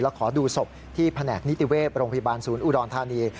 และขอดูศพที่แผนกนิติเวศโรงพยาบาลศูนย์อุดรธานี